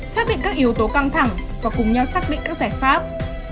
xác định các yếu tố căng thẳng và cùng nhau xác định các giải pháp